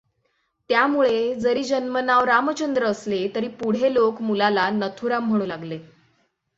त्यामुळे जरी जन्म नाव रामचंद्र असले तरी पुढे लोक मुलाला नथुराम म्हणू लागले.